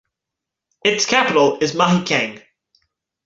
Its capital is Mahikeng.